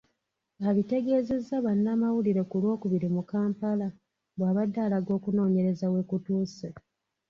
Abitegeezezza bannamawulire ku Lwokubiri mu Kampala bw’abadde alaga okunoonyereza we kutuuse.